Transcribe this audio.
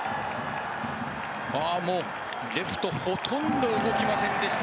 もう、レフトほとんど動きませんでした